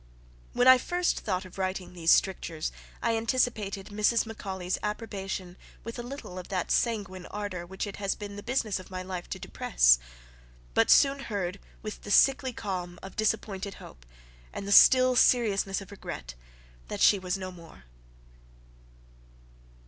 When I first thought of writing these strictures I anticipated Mrs. Macaulay's approbation with a little of that sanguine ardour which it has been the business of my life to depress; but soon heard with the sickly qualm of disappointed hope, and the still seriousness of regret that she was no more!